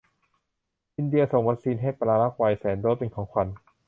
อินเดียส่งวัคซีนให้ปารากวัยแสนโดสเป็นของขวัญ